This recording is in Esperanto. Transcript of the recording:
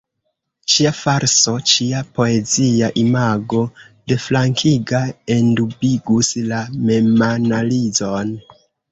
Ĉia falso, ĉia poezia imago deflankiga, endubigus la memanalizon.